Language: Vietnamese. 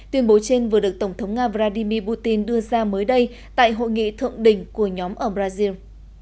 tuyên bố trên vừa được tổng thống nga vladimir putin đưa ra mới đây tại hội nghị thượng đỉnh của nhóm ở brazil